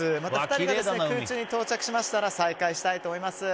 ２人が空中に到着しましたら再開したいと思います。